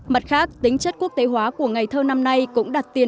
mặt khác tính chất quốc tế hóa của ngày thơ năm nay cũng đặt tiền